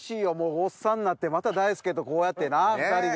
おっさんなってまた大輔とこうやってな２人でな。